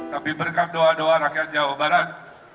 tapi berkat doa doa rakyat jawa barat